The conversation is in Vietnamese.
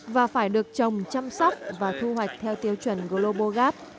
và phải được trồng chăm sóc và thu hoạch theo tiêu chuẩn global gap